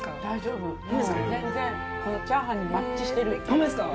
ホンマですか？